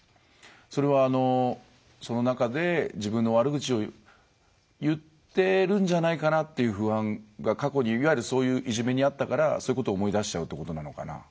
それは、その中で自分の悪口を言ってるんじゃないかなという不安が過去にいわゆるそういういじめに遭ったからそういうことを思い出しちゃうってことなのかな？